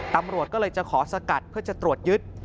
ตำรวจก็เลยจะขอสกัดเพื่อจะตรวจยึด